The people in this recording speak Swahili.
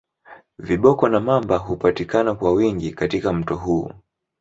Viboko na mamba hupatikana kwa wingi katika mto huu